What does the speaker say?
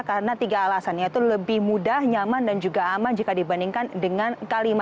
karena tiga alasannya itu lebih mudah nyaman dan juga aman jika dibandingkan dengan k lima